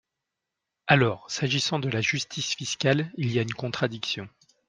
Alors, s’agissant de la justice fiscale, il y a une contradiction.